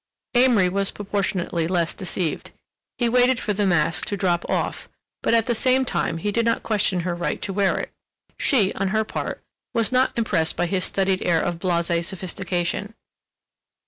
Amory was proportionately less deceived. He waited for the mask to drop off, but at the same time he did not question her right to wear it. She, on her part, was not impressed by his studied air of blasé sophistication.